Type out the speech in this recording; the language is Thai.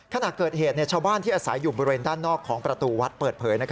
ขณะเกิดเหตุชาวบ้านที่อาศัยอยู่บริเวณด้านนอกของประตูวัดเปิดเผย